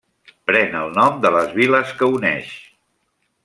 Pren el nom de les viles que uneix.